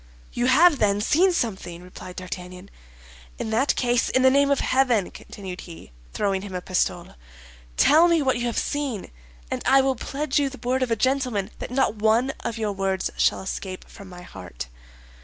"You have, then, seen something?" replied D'Artagnan. "In that case, in the name of heaven," continued he, throwing him a pistole, "tell me what you have seen, and I will pledge you the word of a gentleman that not one of your words shall escape from my heart."